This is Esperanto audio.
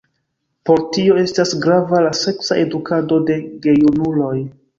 Por tio estas grava la seksa edukado de gejunuloj.